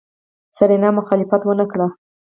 سېرېنا مخالفت ونکړ.